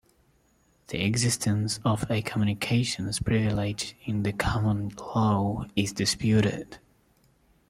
The existence of a communications privilege in the common law is disputed.